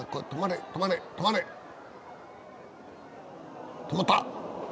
止まった！